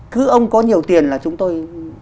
cứ ông có nhiều tiền là chúng tôi